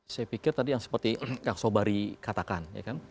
saya pikir tadi yang seperti kak sobari katakan